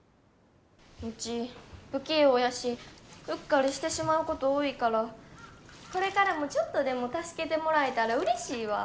ウチ不器用やしうっかりしてしまうこと多いからこれからもちょっとでも助けてもらえたらうれしいわ。